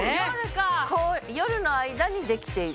夜の間に出来ている。